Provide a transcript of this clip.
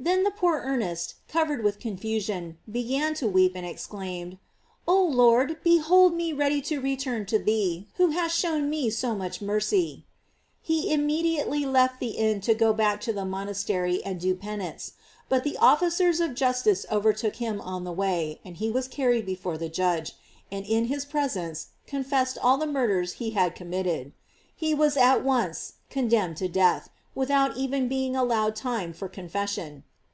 Then the poor Ernest, covered with confusion, began to weep, and exclaimed: "Oh Lord, behold me ready to return to thee, who hast shown me so much mercy." He immediately left the inn to go back to the monastery and do penance; but the officers of justice overtook him on the way, he was carried before the judge, and in his pres ence confessed all the murders he had com mitted. He was at once condemned to death, 78 GLORIES OF MARY. without even being allowed time for confes sion.